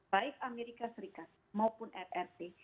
baik amerika serikat maupun rrt